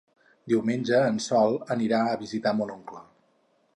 Diumenge en Sol anirà a visitar mon oncle.